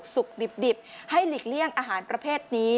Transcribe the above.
ดิบให้หลีกเลี่ยงอาหารประเภทนี้